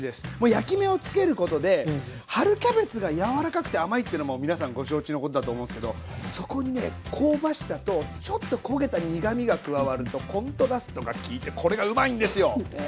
焼き目をつけることで春キャベツが柔らかくて甘いってのもう皆さんご承知のことだと思うんですけどそこにね香ばしさとちょっと焦げた苦みが加わるとコントラストがきいてこれがうまいんですよ！ね